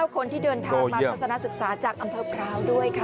คนที่เดินทางมาทัศนศึกษาจากอำเภอพร้าวด้วยค่ะ